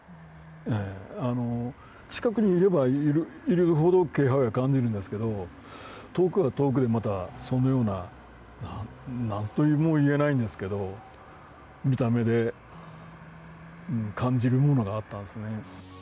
近くにいればいるほど気配を感じるんですけど遠くは遠くで、そのような何とも言えないんですけど見た目で感じるものがあったんですね。